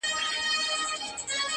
د پلټني سندرماره شـاپـيـرۍ يــارانــو ـ